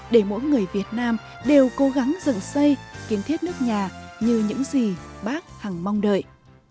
để mỗi người việt nam đều cố gắng dựng xây kiến thiết nước nhà như những gì bác hẳng mong đợi